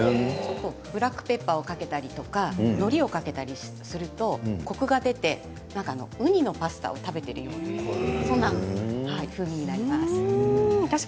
ブラックペッパーをかけたりとかのりをかけたりするとコクが出てウニのパスタを食べているような感じです。